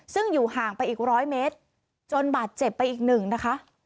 ซึ่งอยู่ห่างไปอีกร้อยเมตรจนบาดเจ็บไปอีกหนึ่งนะคะ